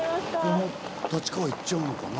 このまま立川行っちゃうのかな